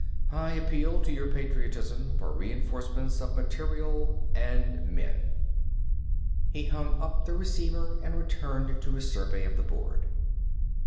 I appeal to your patriotism for reinforcements of material and men." He hung up the receiver and returned to his survey of the board.